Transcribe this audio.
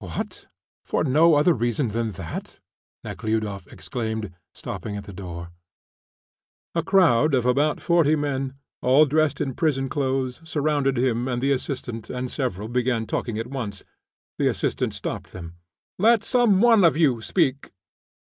"What! For no other reason than that?" Nekhludoff exclaimed, stopping at the door. A crowd of about forty men, all dressed in prison clothes, surrounded him and the assistant, and several began talking at once. The assistant stopped them. "Let some one of you speak."